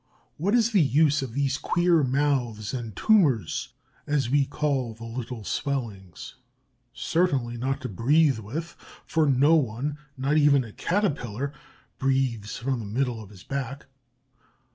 What is the use of these queer mouths and tumors, as we call the little swellings? Certainly not to breathe with, for no one, not even a Caterpillar, breathes from the middle of his back.